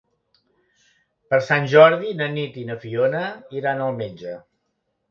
Per Sant Jordi na Nit i na Fiona iran al metge.